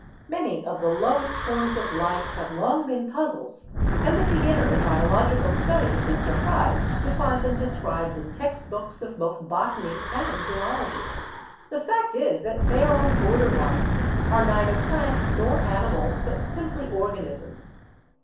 Many of the lowest forms of life have long been puzzles and the beginner in biological study is surprised to find them described in text books of both botany and zoology. The fact is that they are on the border line, are neither plants nor animals but simply organisms.